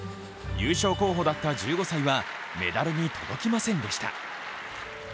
優勝候補だった１５歳はメダルに届きませんでした。